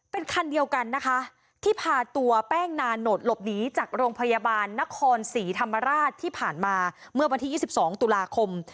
เป็นคันเดียวกันนะคะที่พาตัวแป้งนานโหดหลบหนีจากโรงพยาบาลนครศรีธรรมราชที่ผ่านมาเมื่อวันที่๒๒ตุลาคม